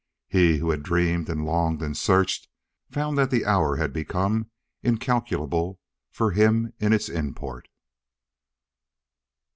He, who had dreamed and longed and searched, found that the hour had been incalculable for him in its import.